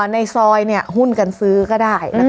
ในซอยหุ้นกันซื้อก็ได้